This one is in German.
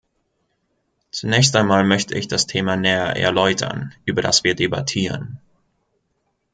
Zunächst einmal möchte ich das Thema näher erläutern, über das wir debattieren.